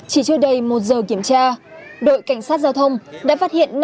chỉ trôi đây một giờ kiểm tra đội cảnh sát giao thông đã phát hiện